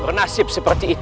bernasib seperti itu